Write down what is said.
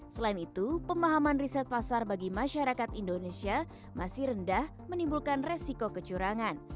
selain itu pemahaman riset pasar bagi masyarakat indonesia masih rendah menimbulkan resiko kecurangan